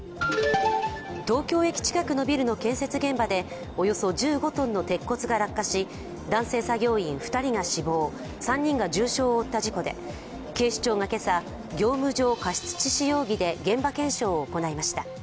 東京駅近くのビルの建設現場でおよそ１５ｔが落下し男性作業員２人が死亡、３人が重傷を負った事故で警視庁が今朝、業務上過失致死容疑で現場検証を行いました。